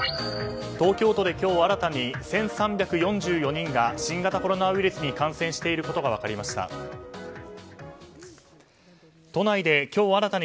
東京都で今日新たに１３４４人が新型コロナウイルスに感染していることが分かりました。